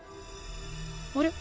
あれ？